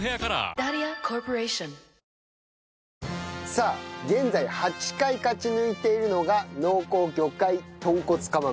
さあ現在８回勝ち抜いているのが濃厚魚介豚骨釜飯。